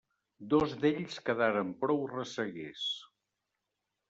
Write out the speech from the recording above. Dos d'ells quedaren prou ressaguers.